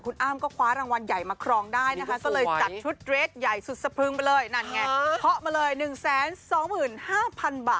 คุณอ้ำก็คว้ารางวัลใหญ่มาครองได้นะคะก็เลยจัดชุดเรทใหญ่สุดสะพรึงไปเลยนั่นไงเคาะมาเลย๑๒๕๐๐๐บาท